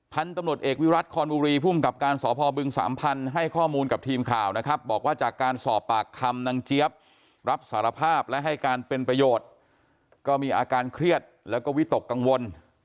พันธุ์ตำรวจเอกวิรัติคอนบุรีภูมิกับการสพบึงสามพันธุ์ให้ข้อมูลกับทีมข่าวนะครับบอกว่าจากการสอบปากคำนางเจี๊ยบรับสารภาพและให้การเป็นประโยชน์ก็มีอาการเครียดแล้วก็วิตกกังวล